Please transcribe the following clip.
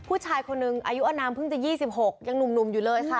ผู้ชายคนนึงอายุอนามเพิ่งจะยี่สิบหกยังหนุ่มหนุ่มอยู่เลยค่ะ